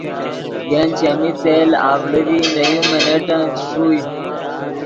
ین چیمی تیل اڤڑے ڤی نے یو منٹن چے ݰوئے